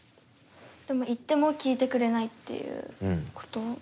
でも言っても聞いてくれないっていうこと？